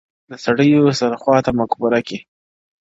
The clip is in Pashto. • د سړیو سره خواته مقبره کی ..